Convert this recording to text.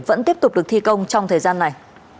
vẫn tiếp tục được thi công trong thời gian này